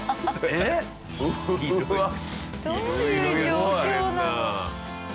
えっ？どういう状況なの？